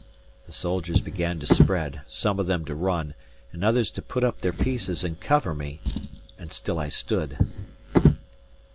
The soldiers began to spread, some of them to run, and others to put up their pieces and cover me; and still I stood.